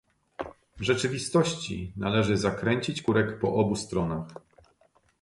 W rzeczywistości należy zakręcić kurek po obu stronach